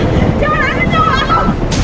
jangan nanti jawab saya